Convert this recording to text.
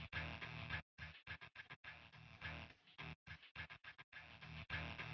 tuh kan perut gue jadi sakit lagi kan emosi sih bawa nya ketemu dia